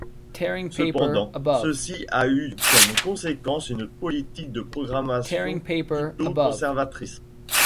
Cependant, ceci a eu comme conséquence une politique de programmation plutôt conservatrice.